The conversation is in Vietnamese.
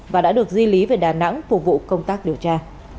và đã được di lý về đà nẵng phục vụ công tác điều tra